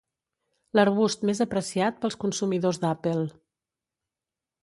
L'arbust més apreciat pels consumidors d'Apple, .